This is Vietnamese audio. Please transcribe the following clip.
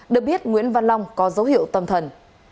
được biết nguyễn văn long có dấu hiệu tâm thần